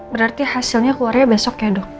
berarti hasilnya keluarnya besok ya dok